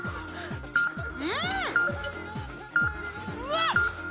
うわっ！